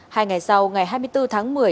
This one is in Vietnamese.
hai ngày sau ngày hai mươi bốn tháng một mươi